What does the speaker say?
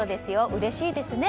うれしいですね。